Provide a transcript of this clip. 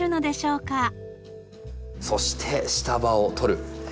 そして下葉を取る。